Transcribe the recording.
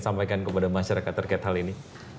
sampaikan kepada masyarakat terkait hal ini